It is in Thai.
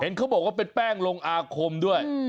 เขาบอกว่าเป็นแป้งลงอาคมด้วย